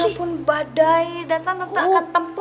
walaupun badai dan tante akan tempuh